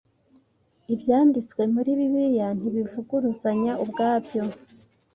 Ibyanditswe muri Bibiliya ntibivuguruzanya ubwabyo